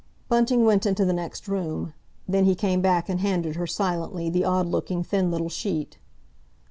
Bunting went into the next room; then he came back and handed her silently the odd looking, thin little sheet.